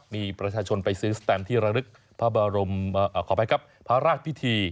มีประชาชนไปซื้อสแตมที่ระลึกพระราชพิธี